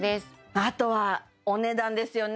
あとはお値段ですよね